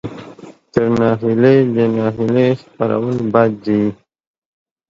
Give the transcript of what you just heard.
تر ناهیلۍ د ناهیلۍ خپرول بد دي.